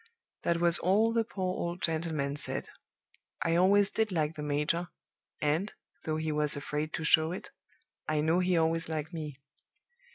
That was all the poor old gentleman said. I always did like the major; and, though he was afraid to show it, I know he always liked me.